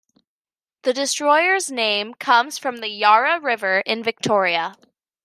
The destroyer's name comes from the Yarra River in Victoria.